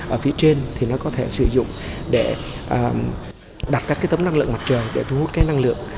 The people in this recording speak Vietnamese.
ở phía trên thì nó có thể sử dụng để đặt các cái tấm năng lượng mặt trời để thu hút cái năng lượng